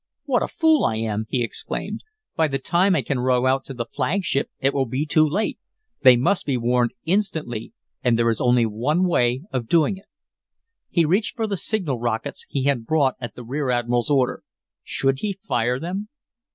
"What a fool I am!" he exclaimed. "By the time I can row out to the flagship, it will be too late. They must be warned instantly, and there is only one way of doing it." He reached for the signal rockets he had brought at the rear admiral's order. Should he fire them?